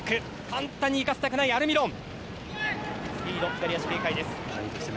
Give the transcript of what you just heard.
簡単にいかせたくないアルミロン。